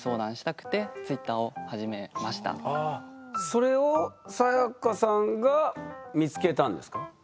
それをサヤカさんが見つけたんですか？